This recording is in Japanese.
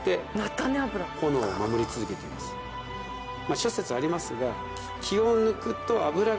諸説ありますが。